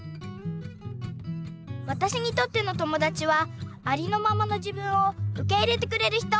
わたしにとっての友だちはありのままの自分をうけ入れてくれる人！